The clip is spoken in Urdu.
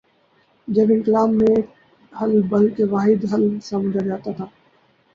جب انقلاب بھی ایک حل بلکہ واحد حل سمجھا جاتا تھا۔